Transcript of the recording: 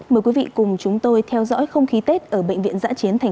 mời quý vị cùng chúng tôi theo dõi không khí tết ở bệnh viện giã chiến tp hcm